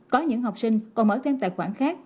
có những học sinh còn mở thêm tài khoản khác